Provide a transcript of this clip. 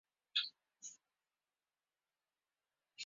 — Men emas! — dedi bola.